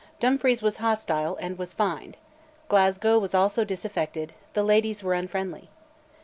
Dumfries was hostile, and was fined; Glasgow was also disaffected, the ladies were unfriendly.